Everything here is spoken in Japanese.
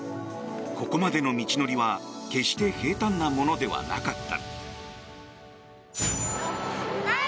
ここまでの道のりは、決して平たんなものではなかった。